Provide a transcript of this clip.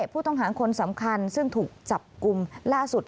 ผู้ต้องหาคนสำคัญซึ่งถูกจับกลุ่มล่าสุด